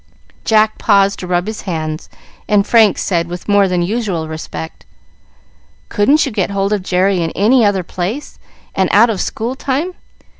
Jack paused to rub his hands, and Frank said, with more than usual respect, "Couldn't you get hold of Jerry in any other place, and out of school time?